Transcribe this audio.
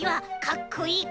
かっこいい。